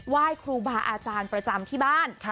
ไหว้ครูบาอาจารย์ประจำที่บ้าน